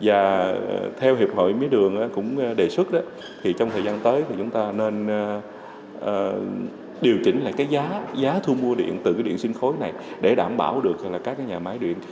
và theo hiệp hội mía đường cũng đề xuất trong thời gian tới chúng ta nên điều chỉnh lại giá thu mua điện từ điện sinh khối này để đảm bảo được các nhà máy điện